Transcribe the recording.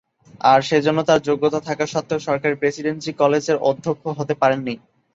আর সেজন্য তার যোগ্যতা থাকা সত্ত্বেও সরকারি প্রেসিডেন্সি কলেজের অধ্যক্ষ হতে পারেন নি।